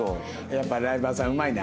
やっぱライバーさんうまいな。